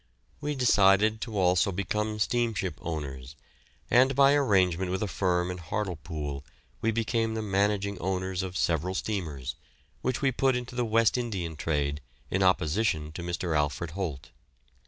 We decided to also become steamship owners, and by arrangement with a firm in Hartlepool we became the managing owners of several steamers, which we put into the West Indian trade in opposition to Mr. Alfred Holt.